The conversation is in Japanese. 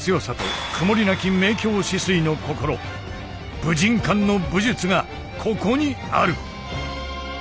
武神館の武術がここにある。